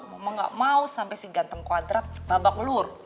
mama gak mau sampai si ganteng kwadrat babak lur